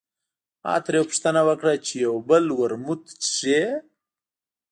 ما ترې پوښتنه وکړه چې یو بل ورموت څښې.